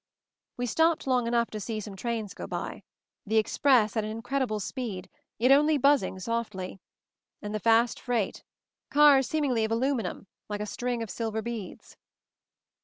We stopped long enough to see some trains go by; the express at an incredible speed, yet only buzzing softly; and the fast freight; cars seemingly of aluminum, like a string of silver beads.